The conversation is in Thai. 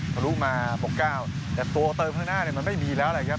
ทะลุมาปกเก้าแต่ตัวเติมข้างหน้าเนี่ยมันไม่มีแล้วนะครับ